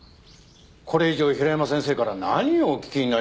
これ以上平山先生から何をお聞きになりたいんですか？